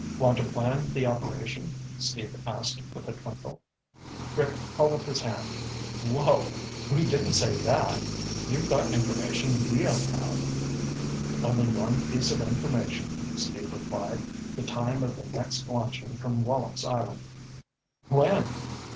"Want to plan the operation?" Steve asked with a twinkle. Rick held up his hand. "Whoa! We didn't say that. You've got information we don't have." "Only one piece of information," Steve replied. "The time of the next launching from Wallops Island." "When?"